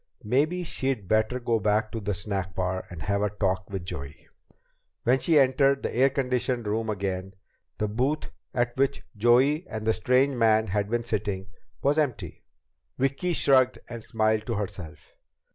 Maybe she'd better go back to the snack bar and have a talk with Joey. When she entered the air conditioned room again, the booth at which Joey and the strange man had been sitting was empty. Vicki shrugged and smiled to herself.